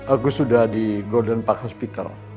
aku sudah di golden park hospital